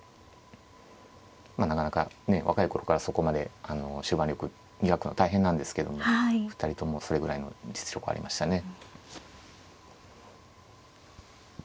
まあなかなか若い頃からそこまで終盤力磨くのは大変なんですけども２人ともそれぐらいの実力ありましたね。